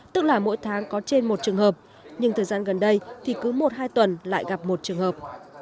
tức là mỗi tháng có trên một trường hợp nhưng thời gian gần đây thì cứ một hai tuần lại gặp một trường hợp